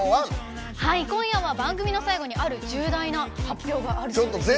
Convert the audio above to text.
今夜は番組の最後にある重大な発表があるそうですよ。